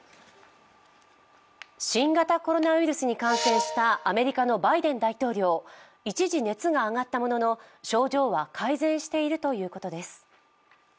新型コロナウイルスに感染したアメリカのバイデン大統領一時、熱が上がったものの、症状は改善しているということです。